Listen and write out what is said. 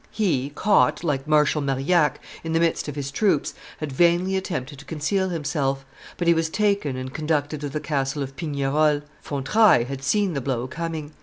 He, caught, like Marshal Marillac, in the midst of his troops, had vainly attempted to conceal himself; but he was taken and conducted to the castle of Pignerol. Fontrailles had seen the blow coming.